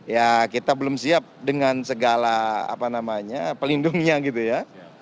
ya kita belum siap dengan segala pelindungnya gitu ya